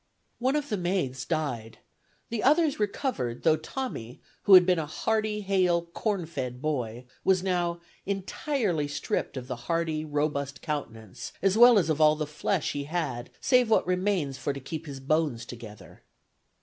..." One of the maids died; the others recovered, though Tommy, who had been a "hearty, hale, corn fed boy," was now "entirely stripped of the hardy, robust countenance, as well as of all the flesh he had, save what remains for to keep his bones together."